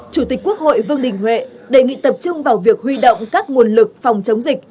chủ tịch quốc hội vương đình huệ đề nghị tập trung vào việc huy động các nguồn lực phòng chống dịch